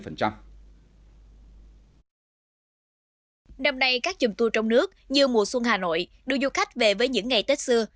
năm nay các chùm tour trong nước như mùa xuân hà nội đưa du khách về với những ngày tết xưa